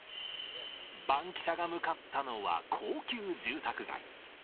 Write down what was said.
バンキシャが向かったのは高級住宅街。